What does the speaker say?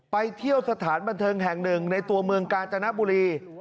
ไปเที่ยวสถานบันเทิงแห่งหนึ่งในตัวเมืองกาญจนบุรี